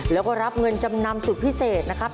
แล้วก็รับเงินจำนำสุดพิเศษนะครับ